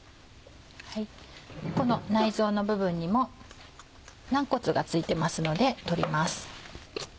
この内臓の部分にも軟骨が付いてますので取ります。